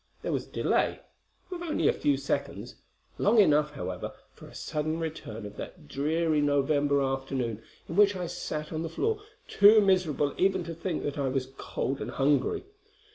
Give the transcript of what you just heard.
There was a delay of only a few seconds long enough, however, for a sudden return of that dreary November afternoon in which I sat on the floor too miserable even to think that I was cold and hungry.